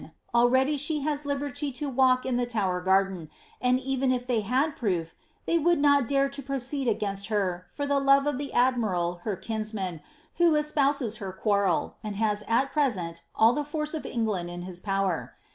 Already she has liberty to walk in tlie Tower garden ; and even if they had proof, they would not dare to proceed against her for the love of the admiral her kinsman, who espouses her quarrel, and has at present all the force of England in his power.